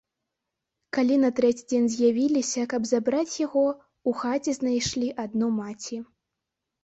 Калі на трэці дзень з'явіліся, каб забраць яго, у хаце знайшлі адну маці.